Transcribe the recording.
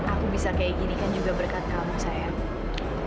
aku bisa kayak gini kan juga berkat kamu sayang